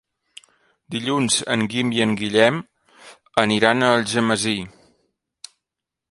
Dilluns en Guim i en Guillem aniran a Algemesí.